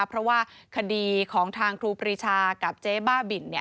เพราะว่าคดีของทางครูปรีชากับเจ๊บ้าบิน